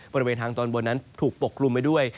บริเวณทางตอนบนนั้นถูกปกกลุ่มไปด้วย